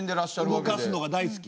動かすのが大好き？